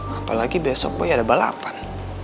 apalagi besok boy ada balapan